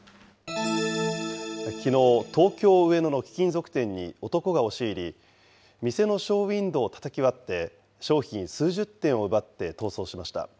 きのう、東京・上野の貴金属店に男が押し入り、店のショーウインドーをたたき割って商品数十点を奪って逃走しました。